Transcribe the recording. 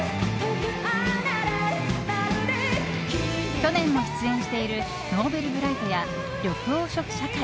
去年も出演しているＮｏｖｅｌｂｒｉｇｈｔや緑黄色社会。